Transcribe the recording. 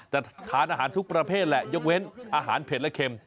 จะทานอาหารทุกประเภทแหละยกเว้นอาหารเผ็ดและเข็ม